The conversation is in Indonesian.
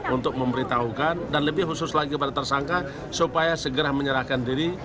untuk memberitahukan dan lebih khusus lagi pada tersangka supaya segera menyerahkan diri